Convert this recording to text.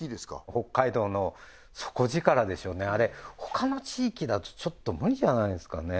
北海道の底力でしょうねあれ他の地域だとちょっと無理じゃないんですかね